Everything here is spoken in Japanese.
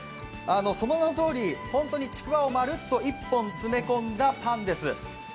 その名のとおり、本当にちくわをまるっと１本詰め込んだパンです。